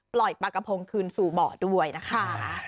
ปล่อยปลากระพงคืนสู่หม่อด้วยนะคะ